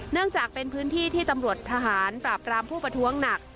เนื่องจากเป็นพื้นที่ที่ตำรวจทหารปราบรามผู้ประท้วงหนัก